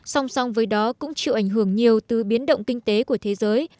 song song với đó cũng chịu ảnh hưởng nhiều từ biến động kinh tế của thế giới